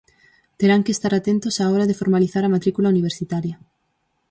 Terán que estar atentos á hora de formalizar a matrícula universitaria.